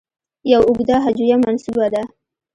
یو اوږده هجویه منسوبه ده.